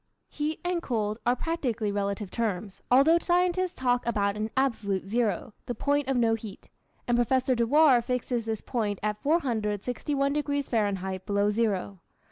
Heat and cold are practically relative terms, although scientists talk about an "absolute zero" (the point of no heat), and Professor Dewar fixes this point at 461 degrees Fahrenheit below zero.